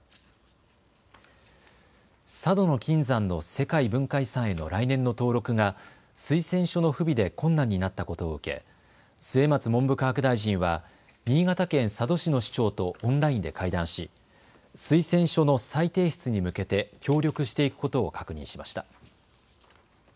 佐渡島の金山の世界文化遺産への来年の登録が推薦書の不備で困難になったことを受け末松文部科学大臣は新潟県佐渡市の市長とオンラインで会談し推薦書の再提出に向けて協力していくことを確認しました。